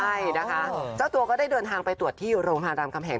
ใช่นะคะเจ้าตัวก็ได้เดินทางไปตรวจที่โรงพยาบาลรามคำแหง